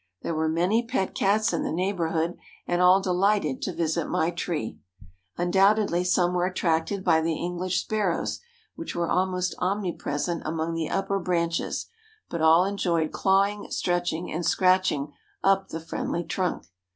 There were many pet Cats in the neighborhood, and all delighted to visit my tree. Undoubtedly some were attracted by the English sparrows which were almost omnipresent among the upper branches, but all enjoyed clawing, stretching and scratching up the friendly trunk.